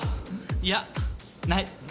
いやない。